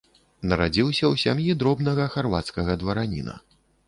Нарадзіўся ў сям'і дробнага харвацкага двараніна.